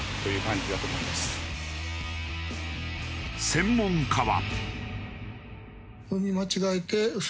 専門家は。